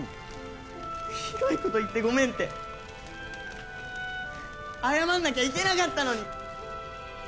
ひどいこと言ってごめんって謝んなきゃいけなかったのに。